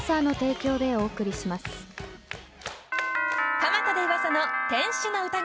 蒲田で噂の天使の歌声！